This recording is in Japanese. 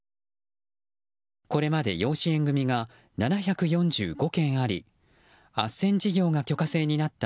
これまで養子縁組が７４５件ありあっせん事業が許可制になった